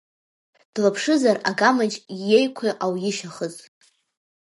Длаԥшызар Агамаџь иеиқәа ауишьахыз.